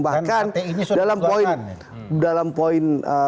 bahkan dalam poin